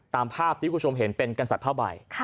ตามภาพที่คุณผู้ชมเห็นเป็นกษัตริย์ผ้าใบ